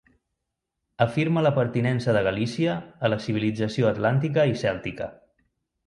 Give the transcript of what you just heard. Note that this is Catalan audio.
Afirma la pertinença de Galícia a la civilització atlàntica i cèltica.